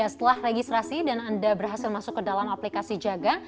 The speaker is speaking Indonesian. setelah registrasi dan anda berhasil masuk ke dalam aplikasi jaga